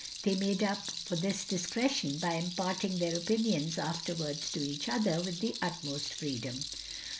They made up for this discretion by imparting their opinions afterwards to each other, with the utmost freedom.